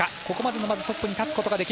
ここまでのトップに立つか。